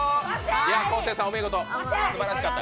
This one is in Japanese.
昴生さん、お見事、すばらしかった。